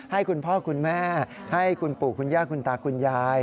ให้คุณพ่อคุณแม่ให้คุณปู่คุณย่าคุณตาคุณยาย